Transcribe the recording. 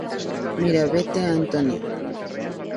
Miravete, Antonio.